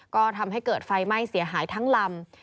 ก็ทำให้เกิดไฟไหม้เสียหายทั้งลำ